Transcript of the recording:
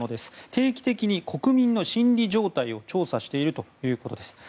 定期的に国民の心理状態を調査しているということです。